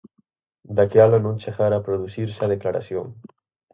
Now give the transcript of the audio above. Daquela non chegara a producirse a declaración.